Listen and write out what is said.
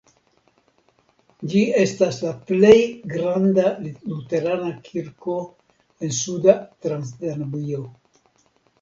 Ĝi estas la plej granda luterana kirko en Suda Transdanubio.